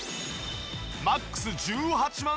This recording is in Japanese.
マックス１８万